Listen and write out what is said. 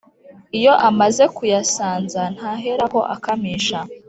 Iyo amaze kuyasanza ntaherako akamisha